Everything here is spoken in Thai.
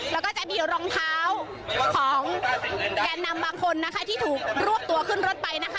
แล้วก็จะมีรองเท้าของแกนนำบางคนนะคะที่ถูกรวบตัวขึ้นรถไปนะคะ